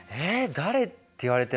誰って言われても。